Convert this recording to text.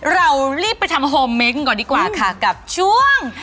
เรารีบไปทำโฮเมนต์ก่อนดีกว่าค่ะกับช่วง